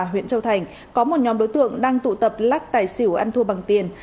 huyện châu thành có một nhóm đối tượng đang tụ tập lắc tài xỉu ăn thua bằng tiền